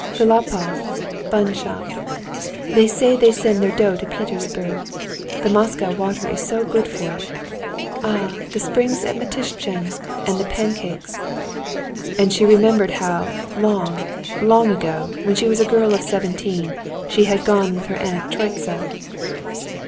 Filippov, bun shop. They say they send their dough to Petersburg. The Moscow water is so good for it. Ah, the springs at Mitishtchen, and the pancakes!" And she remembered how, long, long ago, when she was a girl of seventeen, she had gone with her aunt to Troitsa.